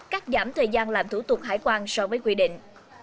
cắt giảm thời gian làm thủ tục hải quan so với quy định